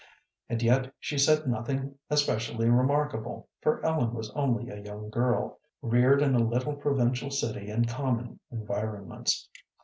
And yet she said nothing especially remarkable, for Ellen was only a young girl, reared in a little provincial city in common environments.